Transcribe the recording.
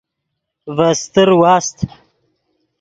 ڤے استر واست۔